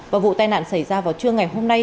và vụ tai nạn xảy ra vào trưa ngày hôm nay